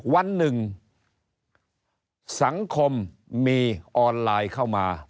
วันหนึ่งสังคมมีออนไลน์เข้ามา